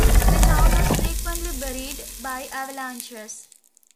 The town was frequently buried by avalanches.